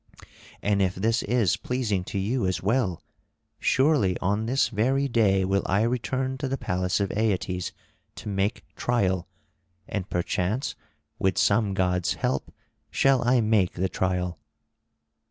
And if this is pleasing to you as well, surely on this very day will I return to the palace of Aeetes to make trial; and perchance with some god's help shall I make the trial."